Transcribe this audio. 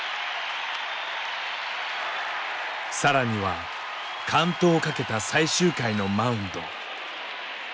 更には完投をかけた最終回のマウンド。